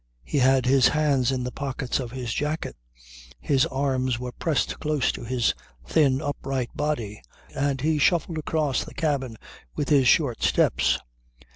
He had his hands in the pockets of his jacket, his arms were pressed close to his thin, upright body, and he shuffled across the cabin with his short steps.